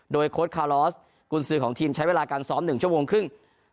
โดยโค้ดคาลอสกุญสือของทีมใช้เวลาการซ้อม๑ชั่วโมงครึ่ง